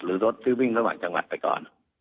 หรือรถซื้อวิ่งระหว่างจังหวัดไปก่อน